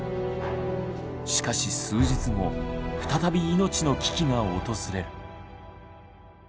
しかし数日後再び命の危機が訪れる。